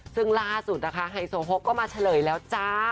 ซึ่งล่าสุดนะคะไฮโซโฮก็มาเฉลยแล้วจ้า